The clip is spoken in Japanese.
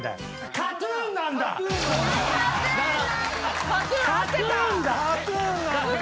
ＫＡＴ−ＴＵＮなのよ。